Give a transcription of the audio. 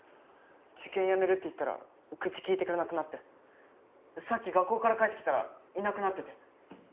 受験やめるって言ったら口きいてくれなくなってさっき学校から帰ってきたらいなくなってて。